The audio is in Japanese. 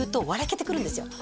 けてくるんですよ